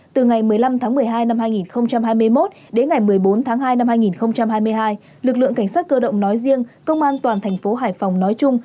từ ngày một mươi năm tháng một mươi hai năm hai nghìn hai mươi một đến ngày một mươi bốn tháng hai năm hai nghìn hai mươi hai lực lượng cảnh sát cơ động nói riêng công an toàn thành phố hải phòng nói chung